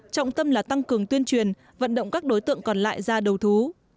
trọng tâm là tăng cường tuyên truyền vận động các đối tượng còn lại ra đầu thú